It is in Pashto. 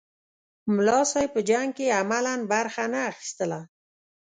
ملا صاحب په جنګ کې عملاً برخه نه اخیستله.